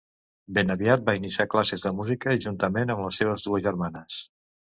Ben aviat va iniciar classes de música, juntament amb les seves dues germanes.